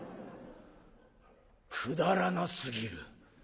くだらなすぎる。